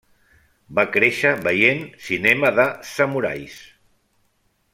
Va créixer veient cinema de samurais.